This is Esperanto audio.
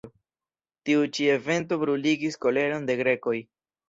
Tiu ĉi evento bruligis koleron de grekoj.